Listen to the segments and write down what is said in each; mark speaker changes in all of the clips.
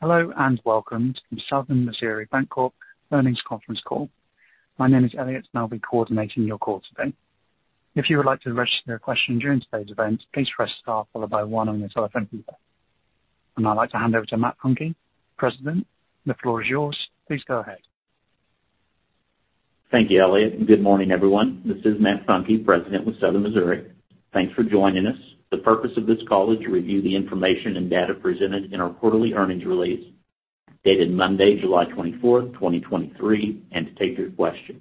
Speaker 1: Hello, and welcome to the Southern Missouri Bancorp Earnings Conference Call. My name is Elliot, and I'll be coordinating your call today. If you would like to register a question during today's event, please press star followed by one on your telephone keypad. I'd like to hand over to Matt Funke, President. The floor is yours. Please go ahead.
Speaker 2: Thank you, Elliot. Good morning, everyone. This is Matt Funke, President with Southern Missouri. Thanks for joining us. The purpose of this call is to review the information and data presented in our quarterly earnings release, dated Monday, July 24, 2023, and to take your questions.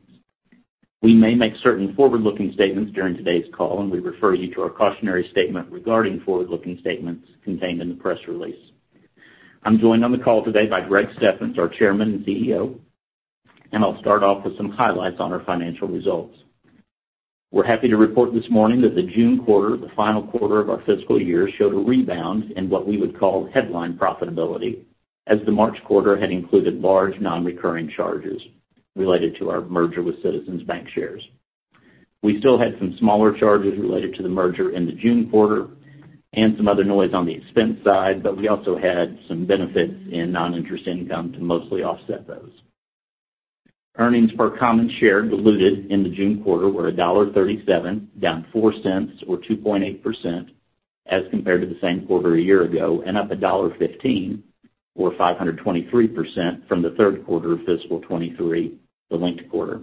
Speaker 2: We may make certain forward-looking statements during today's call, and we refer you to our cautionary statement regarding forward-looking statements contained in the press release. I'm joined on the call today by Greg Steffens, our Chairman and CEO, and I'll start off with some highlights on our financial results. We're happy to report this morning that the June quarter, the final quarter of our fiscal year, showed a rebound in what we would call headline profitability, as the March quarter had included large non-recurring charges related to our merger with Citizens Bancshares. We still had some smaller charges related to the merger in the June quarter and some other noise on the expense side, but we also had some benefits in non-interest income to mostly offset those. Earnings per common share diluted in the June quarter were $1.37, down 4 cents or 2.8% as compared to the same quarter a year ago. Up $1.15 or 523% from the third quarter of fiscal 23, the linked quarter.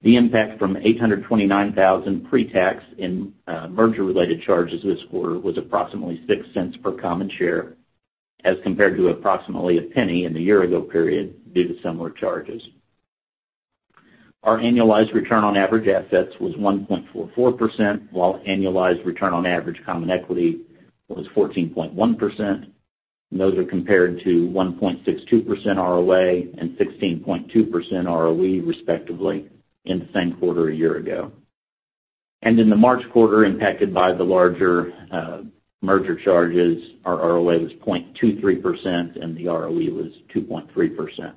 Speaker 2: The impact from $829,000 pre-tax in merger-related charges this quarter was approximately 6 cents per common share, as compared to approximately a penny in the year ago period due to similar charges. Our annualized return on average assets was 1.44%, while annualized return on average common equity was 14.1%. Those are compared to 1.62% ROA and 16.2% ROE, respectively, in the same quarter a year ago. In the March quarter, impacted by the larger merger charges, our ROA was 0.23% and the ROE was 2.3%.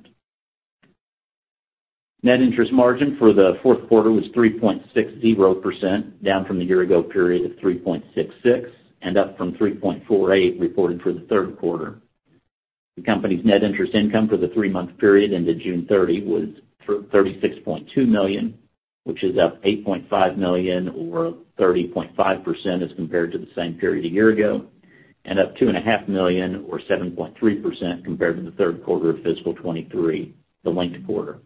Speaker 2: Net interest margin for the fourth quarter was 3.60%, down from the year ago period of 3.66%, and up from 3.48%, reported for the third quarter. The company's net interest income for the 3-month period ended June 30 was $36.2 million, which is up $8.5 million or 30.5% as compared to the same period a year ago, and up two and a half million or 7.3% compared to the third quarter of fiscal 2023, the linked quarter.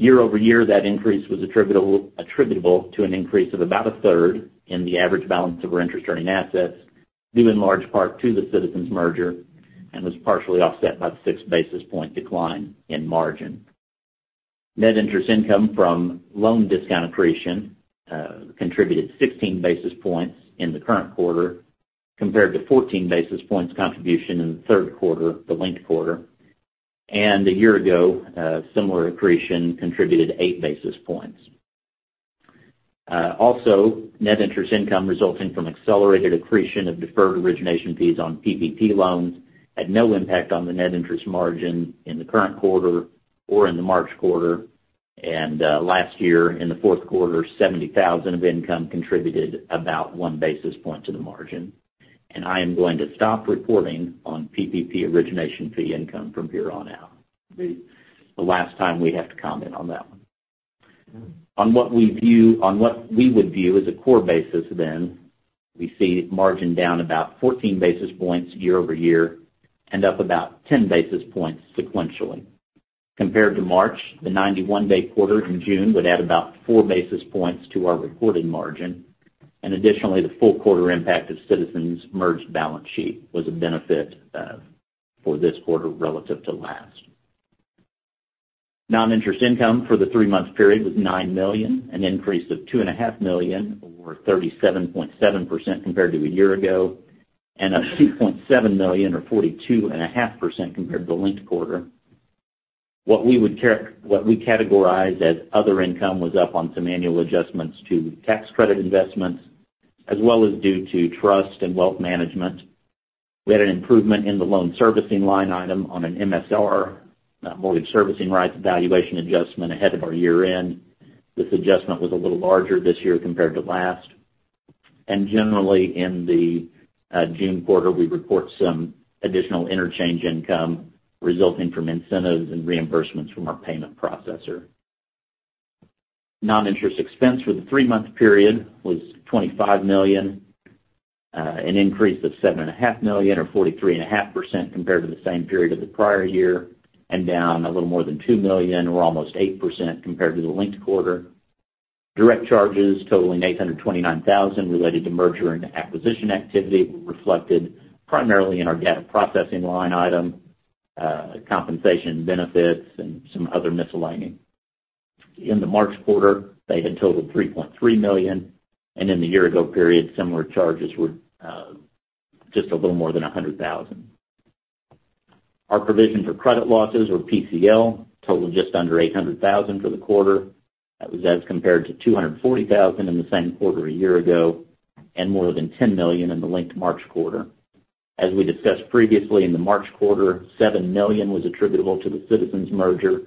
Speaker 2: Year-over-year, that increase was attributable to an increase of about a third in the average balance of our interest-earning assets, due in large part to the Citizens merger, and was partially offset by the 6 basis point decline in margin. Net interest income from loan discount accretion contributed 16 basis points in the current quarter, compared to 14 basis points contribution in the third quarter, the linked quarter. A year ago, similar accretion contributed 8 basis points. Also, net interest income resulting from accelerated accretion of deferred origination fees on PPP loans had no impact on the net interest margin in the current quarter or in the March quarter, last year, in the fourth quarter, $70,000 of income contributed about 1 basis point to the margin. I am going to stop reporting on PPP origination fee income from here on out. Be the last time we have to comment on that one. On what we would view as a core basis then, we see margin down about 14 basis points year-over-year and up about 10 basis points sequentially. Compared to March, the 91-day quarter in June would add about 4 basis points to our reported margin, and additionally, the full quarter impact of Citizens' merged balance sheet was a benefit for this quarter relative to last. Non-interest income for the three-month period was $9 million, an increase of two and a half million, or 37.7% compared to a year ago, and up $2.7 million or 42.5% compared to the linked quarter. What we categorize as other income was up on some annual adjustments to tax credit investments, as well as due to trust and wealth management. We had an improvement in the loan servicing line item on an MSR, mortgage servicing rights valuation adjustment ahead of our year-end. This adjustment was a little larger this year compared to last. Generally, in the June quarter, we report some additional interchange income resulting from incentives and reimbursements from our payment processor. Non-interest expense for the three-month period was $25 million, an increase of $7.5 million, or 43.5% compared to the same period of the prior year, and down a little more than $2 million or almost 8% compared to the linked quarter. Direct charges totaling $829,000 related to merger and acquisition activity were reflected primarily in our data processing line item, compensation benefits, and some other miscellaneous. In the March quarter, they had totaled $3.3 million, and in the year ago period, similar charges were just a little more than $100,000. Our provision for credit losses, or PCL, totaled just under $800,000 for the quarter. That was as compared to $240,000 in the same quarter a year ago and more than $10 million in the linked March quarter. As we discussed previously, in the March quarter, $7 million was attributable to the Citizens merger,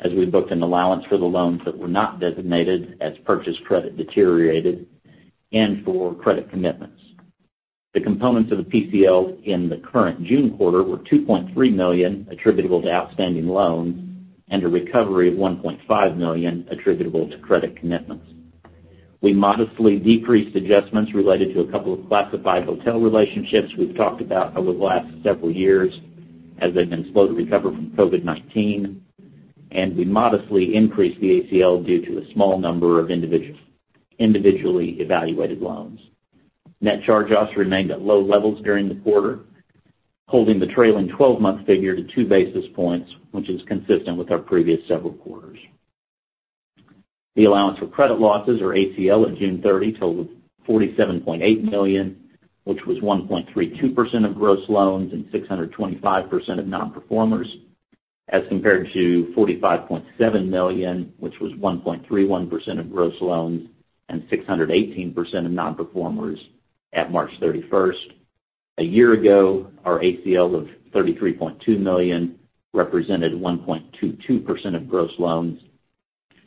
Speaker 2: as we booked an allowance for the loans that were not designated as purchased credit deteriorated.... and for credit commitments. The components of the PCL in the current June quarter were $2.3 million, attributable to outstanding loans, and a recovery of $1.5 million, attributable to credit commitments. We modestly decreased adjustments related to a couple of classified hotel relationships we've talked about over the last several years, as they've been slow to recover from COVID-19, and we modestly increased the ACL due to a small number of individually evaluated loans. Net charge-offs remained at low levels during the quarter, holding the trailing 12-month figure to 2 basis points, which is consistent with our previous several quarters. The allowance for credit losses, or ACL, at June 30 totaled $47.8 million, which was 1.32% of gross loans and 625% of nonperformers, as compared to $45.7 million, which was 1.31% of gross loans and 618% of nonperformers at March 31st. A year ago, our ACL of $33.2 million represented 1.22% of gross loans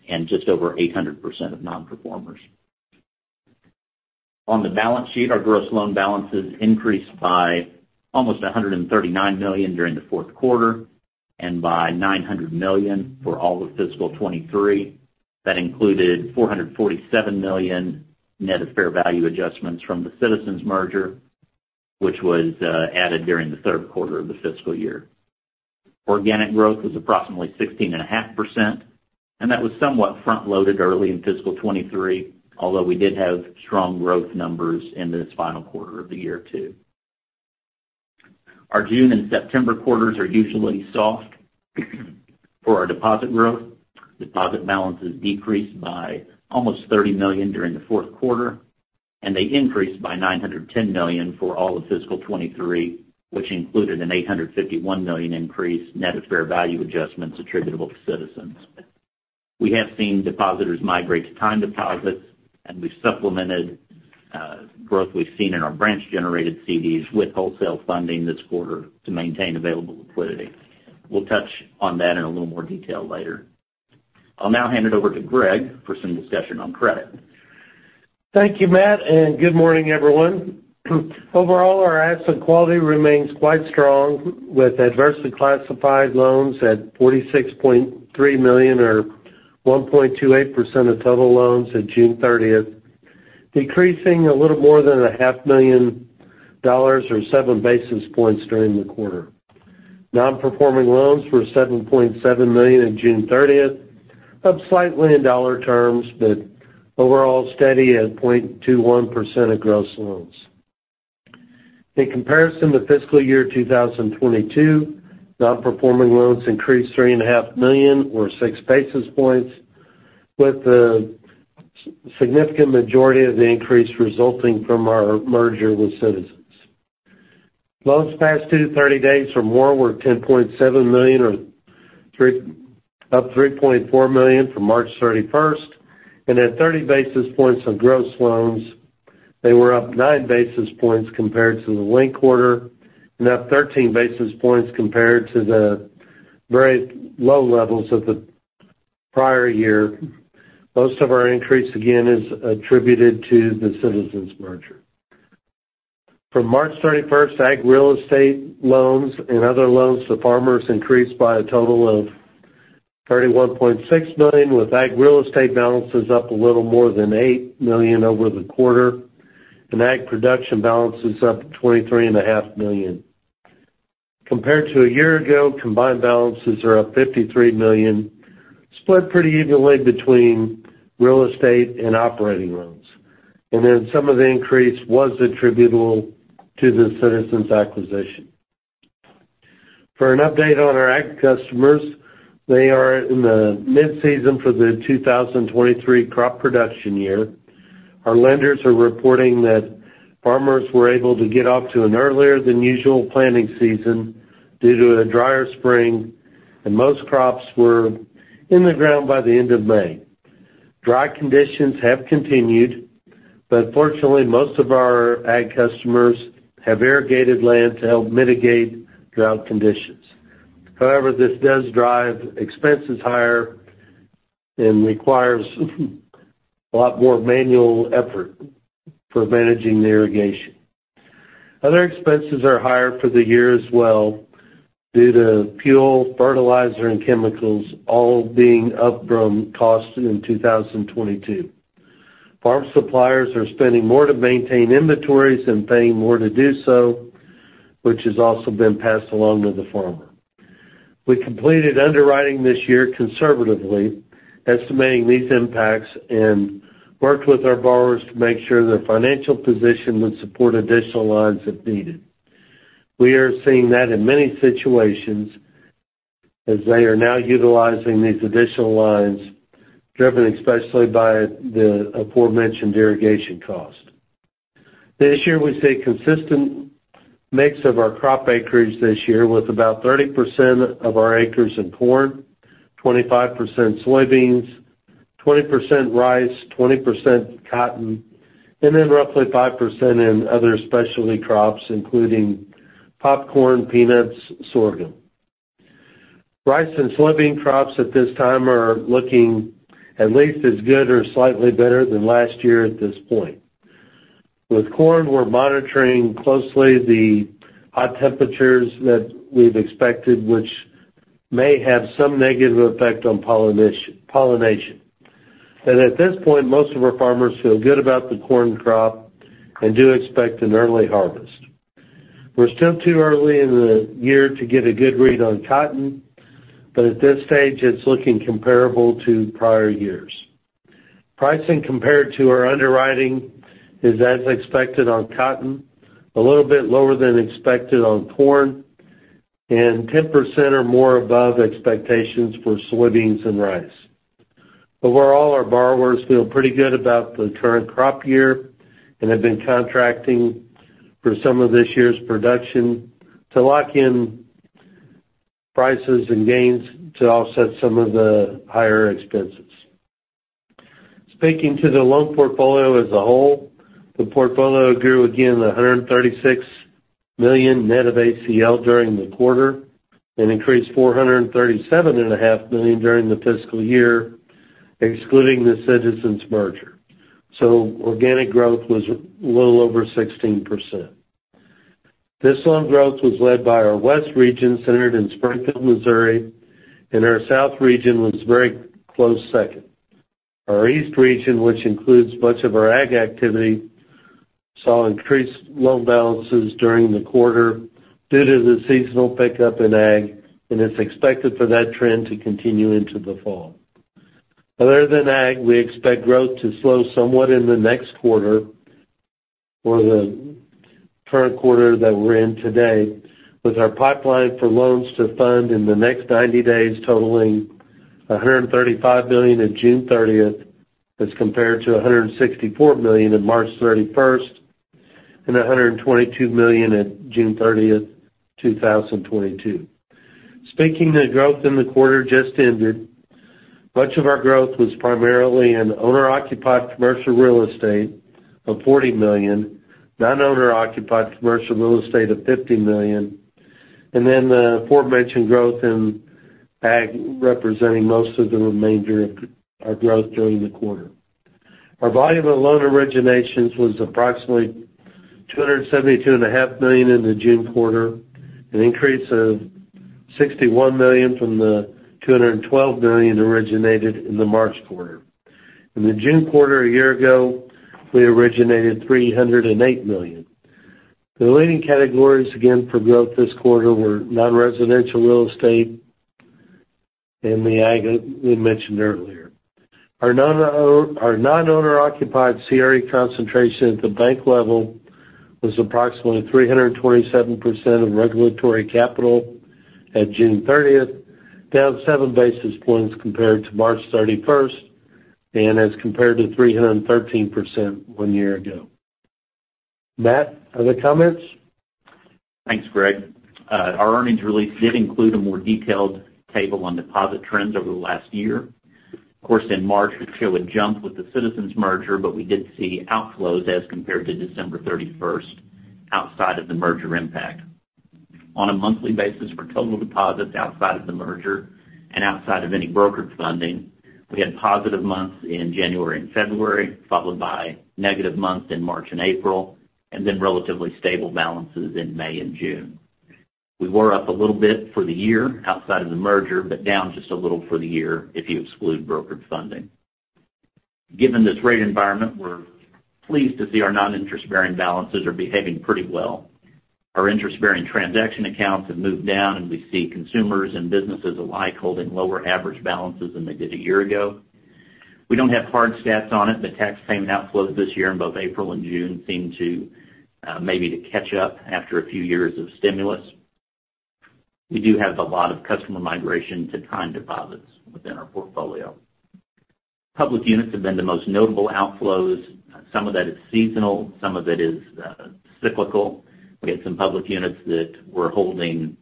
Speaker 2: and just over 800% of nonperformers. On the balance sheet, our gross loan balances increased by almost $139 million during the fourth quarter and by $900 million for all of fiscal '23. That included $447 million net of fair value adjustments from the Citizens merger, which was added during the third quarter of the fiscal year. Organic growth was approximately 16.5%. That was somewhat front-loaded early in fiscal 2023, although we did have strong growth numbers in this final quarter of the year, too. Our June and September quarters are usually soft for our deposit growth. Deposit balances decreased by almost $30 million during the fourth quarter. They increased by $910 million for all of fiscal 2023, which included an $851 million increase, net of fair value adjustments attributable to Citizens. We have seen depositors migrate to time deposits. We've supplemented growth we've seen in our branch-generated CDs with wholesale funding this quarter to maintain available liquidity. We'll touch on that in a little more detail later. I'll now hand it over to Greg for some discussion on credit.
Speaker 3: Thank you, Matt. Good morning, everyone. Overall, our asset quality remains quite strong, with adversely classified loans at $46.3 million, or 1.28% of total loans at June 30th, decreasing a little more than a half million dollars or 7 basis points during the quarter. Nonperforming loans were $7.7 million on June 30th, up slightly in dollar terms, but overall steady at 0.21% of gross loans. In comparison to fiscal year 2022, nonperforming loans increased $3.5 million or 6 basis points, with the significant majority of the increase resulting from our merger with Citizens. Loans past due to 30 days or more were $10.7 million, up $3.4 million from March 31st. At 30 basis points on gross loans, they were up 9 basis points compared to the linked quarter, up 13 basis points compared to the very low levels of the prior year. Most of our increase, again, is attributed to the Citizens merger. From March 31st, ag real estate loans and other loans to farmers increased by a total of $31.6 million, with ag real estate balances up a little more than $8 million over the quarter, ag production balances up $23.5 million. Compared to a year ago, combined balances are up $53 million, split pretty evenly between real estate and operating loans. Some of the increase was attributable to the Citizens acquisition. For an update on our ag customers, they are in the mid-season for the 2023 crop production year. Our lenders are reporting that farmers were able to get off to an earlier than usual planting season due to a drier spring, and most crops were in the ground by the end of May. Dry conditions have continued. Fortunately, most of our ag customers have irrigated land to help mitigate drought conditions. This does drive expenses higher and requires a lot more manual effort for managing the irrigation. Other expenses are higher for the year as well due to fuel, fertilizer, and chemicals all being up from costs in 2022. Farm suppliers are spending more to maintain inventories and paying more to do so, which has also been passed along to the farmer. We completed underwriting this year conservatively, estimating these impacts, and worked with our borrowers to make sure their financial position would support additional lines if needed. We are seeing that in many situations, as they are now utilizing these additional lines, driven especially by the aforementioned irrigation cost. This year, we see a consistent mix of our crop acreage this year, with about 30% of our acres in corn, 25% soybeans, 20% rice, 20% cotton, and roughly 5% in other specialty crops, including popcorn, peanuts, sorghum. Rice and soybean crops at this time are looking at least as good or slightly better than last year at this point. With corn, we're monitoring closely the hot temperatures that we've expected, which may have some negative effect on pollination. At this point, most of our farmers feel good about the corn crop and do expect an early harvest. We're still too early in the year to get a good read on cotton, but at this stage, it's looking comparable to prior years. Pricing compared to our underwriting is as expected on cotton, a little bit lower than expected on corn, and 10% or more above expectations for soybeans and rice. Overall, our borrowers feel pretty good about the current crop year and have been contracting for some of this year's production to lock in prices and gains to offset some of the higher expenses. Speaking to the loan portfolio as a whole, the portfolio grew again, $136 million net of ACL during the quarter, and increased four hundred and thirty-seven and a half million during the fiscal year, excluding the Citizens merger. Organic growth was a little over 16%. This loan growth was led by our West Region, centered in Springfield, Missouri, and our South Region was a very close second. Our East Region, which includes much of our ag activity, saw increased loan balances during the quarter due to the seasonal pickup in ag, and it's expected for that trend to continue into the fall. Other than ag, we expect growth to slow somewhat in the next quarter or the current quarter that we're in today, with our pipeline for loans to fund in the next 90 days totaling $135 billion on June 30th, as compared to $164 million on March 31st, and $122 million at June 30th, 2022. Speaking of growth in the quarter just ended, much of our growth was primarily in owner-occupied commercial real estate of $40 million, non-owner-occupied commercial real estate of $50 million, and then the aforementioned growth in ag, representing most of the remainder of our growth during the quarter. Our volume of loan originations was approximately $272.5 million in the June quarter, an increase of $61 million from the $212 million originated in the March quarter. In the June quarter, a year ago, we originated $308 million. The leading categories, again, for growth this quarter were nonresidential real estate and the ag we mentioned earlier. Our non-owner-occupied CRE concentration at the bank level was approximately 327% of regulatory capital at June thirtieth, down 7 basis points compared to March thirty-first, and as compared to 313% 1 year ago. Matt, other comments?
Speaker 2: Thanks, Greg. Our earnings release did include a more detailed table on deposit trends over the last year. Of course, in March, it showed a jump with the Citizens merger. We did see outflows as compared to December 31st, outside of the merger impact. On a monthly basis, for total deposits outside of the merger and outside of any brokered funding, we had positive months in January and February, followed by negative months in March and April, and then relatively stable balances in May and June. We were up a little bit for the year, outside of the merger, but down just a little for the year, if you exclude brokered funding. Given this rate environment, we're pleased to see our non-interest-bearing balances are behaving pretty well. Our interest-bearing transaction accounts have moved down, and we see consumers and businesses alike holding lower average balances than they did a year ago. We don't have hard stats on it, but tax payment outflows this year in both April and June seem to maybe to catch up after a few years of stimulus. We do have a lot of customer migration to time deposits within our portfolio. Public units have been the most notable outflows. Some of that is seasonal, some of it is cyclical. We have some public units that were holding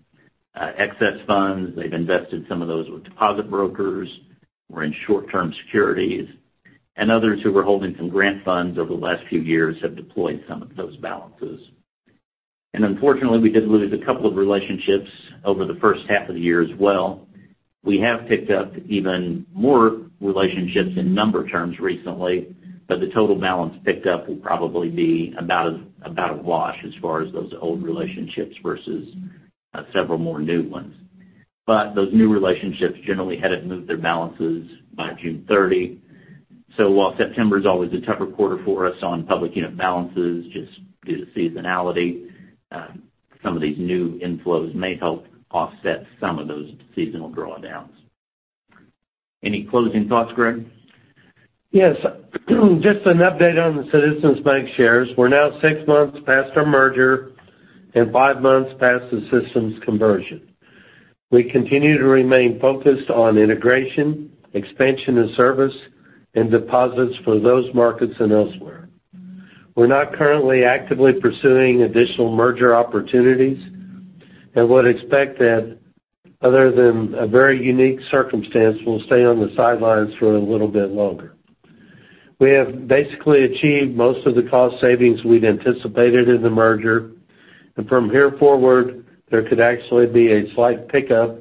Speaker 2: excess funds. They've invested some of those with deposit brokers or in short-term securities, and others who were holding some grant funds over the last few years have deployed some of those balances. Unfortunately, we did lose a couple of relationships over the first half of the year as well. We have picked up even more relationships in number terms recently, but the total balance picked up will probably be about a wash as far as those old relationships versus several more new ones. Those new relationships generally hadn't moved their balances by June 30. While September is always a tougher quarter for us on public unit balances, just due to seasonality, some of these new inflows may help offset some of those seasonal drawdowns. Any closing thoughts, Greg?
Speaker 3: Yes, just an update on the Citizens Bancshares. We're now 6 months past our merger and 5 months past the systems conversion. We continue to remain focused on integration, expansion of service, and deposits for those markets and elsewhere. We're not currently actively pursuing additional merger opportunities and would expect that, other than a very unique circumstance, we'll stay on the sidelines for a little bit longer. We have basically achieved most of the cost savings we'd anticipated in the merger, and from here forward, there could actually be a slight pickup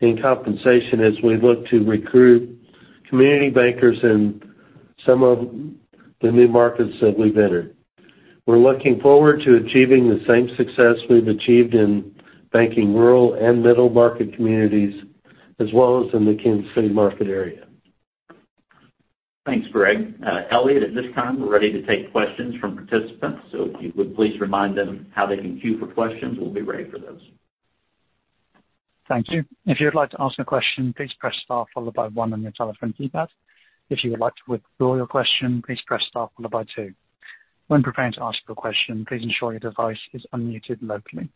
Speaker 3: in compensation as we look to recruit community bankers in some of the new markets that we've entered. We're looking forward to achieving the same success we've achieved in banking rural and middle market communities, as well as in the Kansas City market area.
Speaker 2: Thanks, Greg. Elliot, at this time, we're ready to take questions from participants. If you would please remind them how they can queue for questions, we'll be ready for those.
Speaker 1: Thank you. If you'd like to ask a question, please press star followed by one on your telephone keypad. If you would like to withdraw your question, please press star followed by two. When preparing to ask your question, please ensure your device is unmuted locally.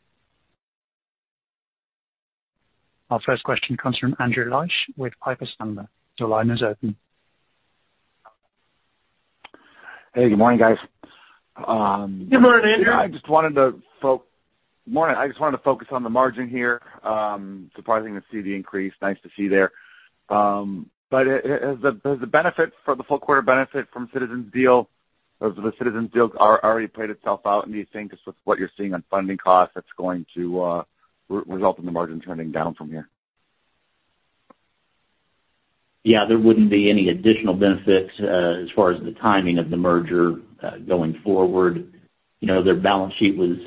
Speaker 1: Our first question comes from Andrew Liesch with Piper Sandler. Your line is open.
Speaker 4: Hey, good morning, guys.
Speaker 3: Good morning, Andrew.
Speaker 4: Morning. I just wanted to focus on the margin here. Surprising to see the increase. Nice to see there. Has the benefit for the full quarter benefit from Citizens deal, or the Citizens deal, are already played itself out in these things, just with what you're seeing on funding costs, that's going to result in the margin turning down from here?
Speaker 2: Yeah, there wouldn't be any additional benefit, as far as the timing of the merger, going forward. You know, their balance sheet was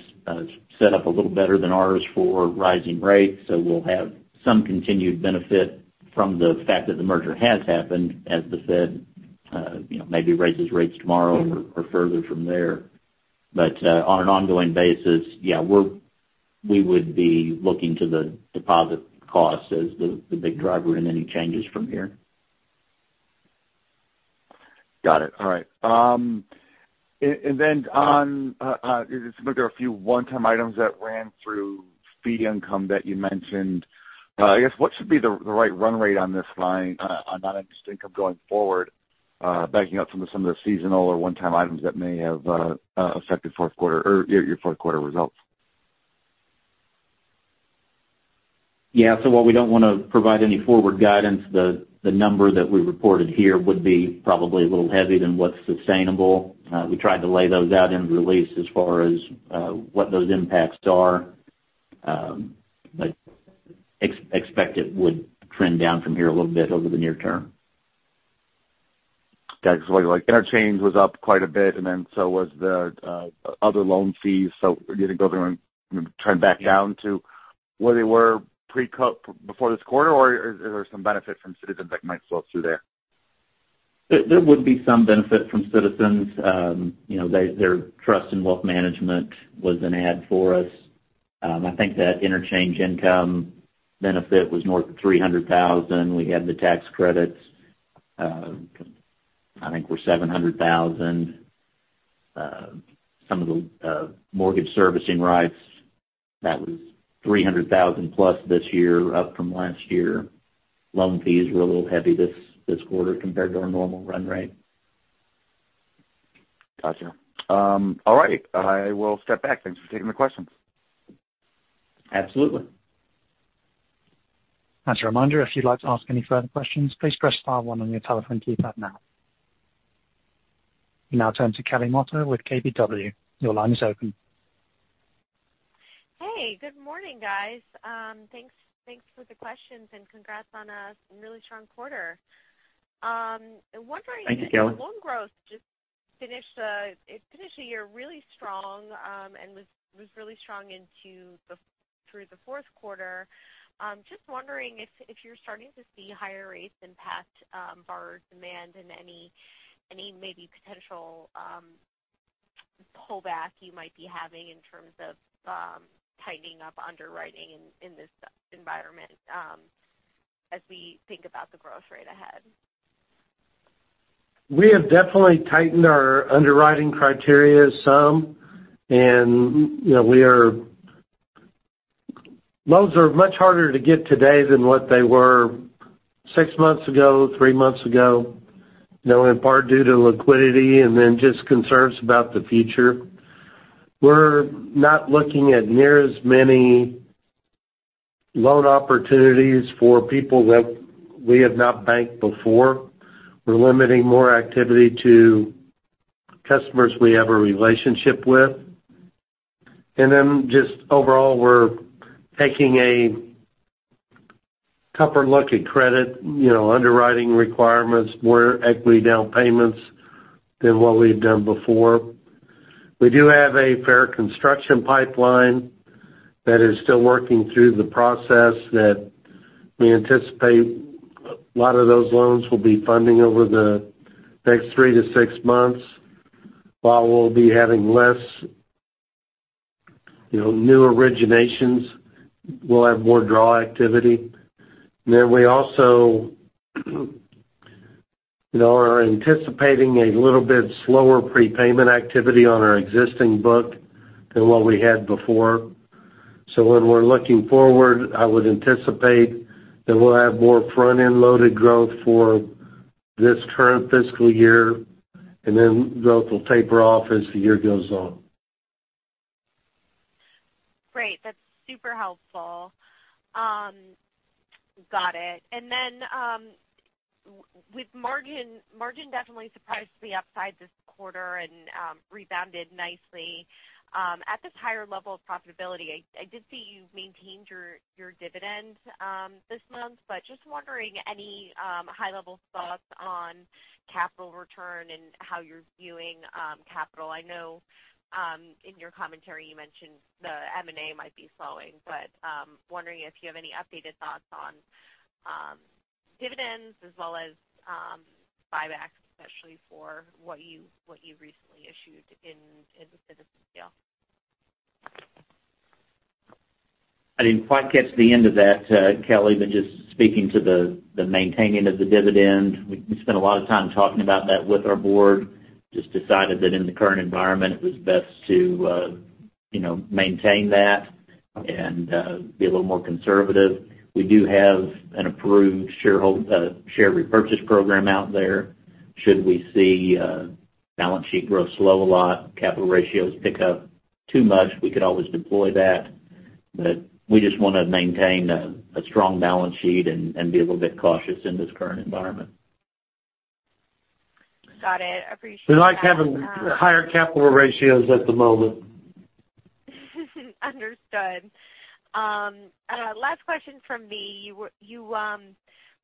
Speaker 2: set up a little better than ours for rising rates, so we'll have some continued benefit from the fact that the merger has happened, as the Fed, you know, maybe raises rates tomorrow or further from there. On an ongoing basis, yeah, we would be looking to the deposit costs as the big driver in any changes from here.
Speaker 4: Got it. All right. On, it looked like there were a few one-time items that ran through fee income that you mentioned. I guess, what should be the right run rate on this line, on non-interest income going forward, backing up some of the seasonal or one-time items that may have affected fourth quarter or your fourth quarter results?
Speaker 2: Yeah. While we don't want to provide any forward guidance, the number that we reported here would be probably a little heavier than what's sustainable. We tried to lay those out in the release as far as what those impacts are. Expect it would trend down from here a little bit over the near term.
Speaker 4: Got you. Like, interchange was up quite a bit, and then so was the other loan fees. Do you think those are going to trend back down to where they were before this quarter, or are there some benefits from Citizens that might flow through there?
Speaker 2: There would be some benefit from Citizens. You know, their trust and wealth management was an ad for us. I think that interchange income benefit was more than $300,000. We had the tax credits, I think were $700,000. Some of the mortgage servicing rights, that was $300,000 plus this year, up from last year. Loan fees were a little heavy this quarter compared to our normal run rate.
Speaker 4: Gotcha. All right. I will step back. Thanks for taking the question.
Speaker 2: Absolutely.
Speaker 1: As a reminder, if you'd like to ask any further questions, please press star one on your telephone keypad now. We now turn to Kelly Motta with KBW. Your line is open.
Speaker 5: Hey, good morning, guys. Thanks for the questions, Congrats on a really strong quarter.
Speaker 3: Thank you, Kelly.
Speaker 5: Loan growth just finished the year really strong, and was really strong through the fourth quarter. Just wondering if you're starting to see higher rates impact borrower demand and any maybe potential pullback you might be having in terms of tightening up underwriting in this environment, as we think about the growth rate ahead?
Speaker 3: We have definitely tightened our underwriting criteria some. Loans are much harder to get today than what they were six months ago, three months ago, you know, in part due to liquidity and then just concerns about the future. We're not looking at near as many loan opportunities for people that we have not banked before. We're limiting more activity to customers we have a relationship with. Just overall, we're taking a tougher look at credit, you know, underwriting requirements, more equity down payments than what we've done before. We do have a fair construction pipeline that is still working through the process that we anticipate a lot of those loans will be funding over the next three to six months. While we'll be having less, you know, new originations, we'll have more draw activity. We also, you know, are anticipating a little bit slower prepayment activity on our existing book than what we had before. When we're looking forward, I would anticipate that we'll have more front-end loaded growth for this current fiscal year, and then growth will taper off as the year goes on.
Speaker 5: That's super helpful. Got it. Then, with margin definitely surprised to the upside this quarter and rebounded nicely. At this higher level of profitability, I did see you've maintained your dividend this month, but just wondering, any high level thoughts on capital return and how you're viewing capital? I know in your commentary you mentioned the M&A might be slowing, but wondering if you have any updated thoughts on dividends as well as buybacks, especially for what you recently issued in the Citizens deal.
Speaker 2: I didn't quite catch the end of that, Kelly, just speaking to the maintaining of the dividend, we spent a lot of time talking about that with our board. Just decided that in the current environment, it was best to, you know, maintain that and be a little more conservative. We do have an approved share repurchase program out there. Should we see balance sheet growth slow a lot, capital ratios pick up too much, we could always deploy that. We just wanna maintain a strong balance sheet and be a little bit cautious in this current environment.
Speaker 5: Got it. I appreciate that.
Speaker 3: We like having higher capital ratios at the moment.
Speaker 5: Understood. Last question from me. You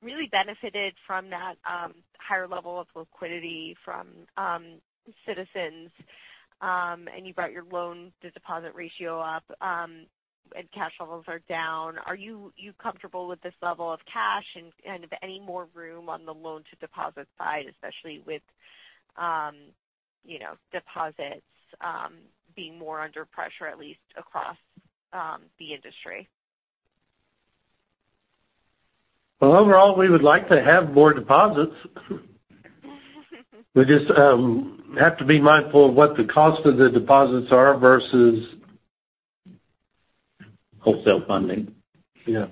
Speaker 5: really benefited from that higher level of liquidity from Citizens, and you brought your loan to deposit ratio up, and cash levels are down. Are you comfortable with this level of cash and if any more room on the loan to deposit side, especially with, you know, deposits being more under pressure, at least across the industry?
Speaker 3: Well, overall, we would like to have more deposits. We just have to be mindful of what the cost of the deposits are.
Speaker 2: Wholesale funding.
Speaker 3: Yeah.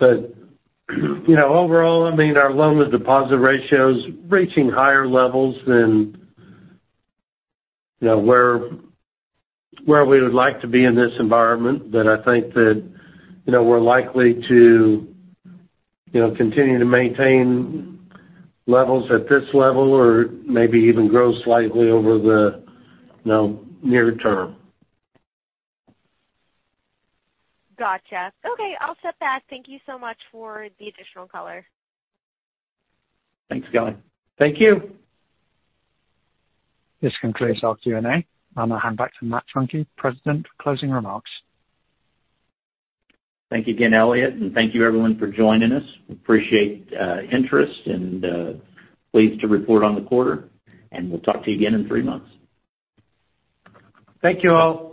Speaker 3: You know, overall, I mean, our loan to deposit ratio is reaching higher levels than, you know, where we would like to be in this environment. I think that, you know, we're likely to, you know, continue to maintain levels at this level or maybe even grow slightly over the, you know, near term.
Speaker 5: Gotcha. Okay, I'll step back. Thank you so much for the additional color.
Speaker 2: Thanks, Kelly.
Speaker 3: Thank you!
Speaker 1: This concludes our Q&A. I'm gonna hand back to Matt Funke, President for closing remarks.
Speaker 2: Thank you again, Elliot, thank you everyone for joining us. We appreciate interest and pleased to report on the quarter, and we'll talk to you again in three months.
Speaker 3: Thank you all.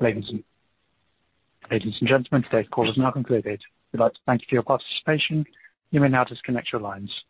Speaker 1: Ladies and gentlemen, today's call is now concluded. We'd like to thank you for your participation. You may now disconnect your lines.